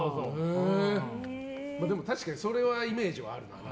でも確かにそれはイメージあるな。